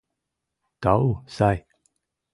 — Тау, сай.